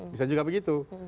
bisa juga begitu